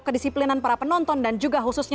kedisiplinan para penonton dan juga khususnya